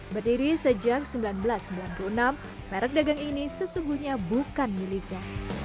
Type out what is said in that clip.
berdiri sejak seribu sembilan ratus sembilan puluh enam merek dagang ini sesungguhnya bukan miliknya